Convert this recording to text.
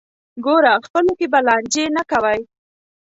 ګوره خپلو کې به لانجې نه کوئ.